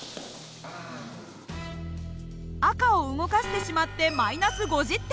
赤を動かしてしまって−５０点。